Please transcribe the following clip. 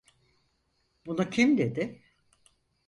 Bunu kim dedi?